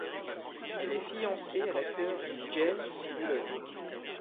Elle est fiancée à l'acteur James Buller.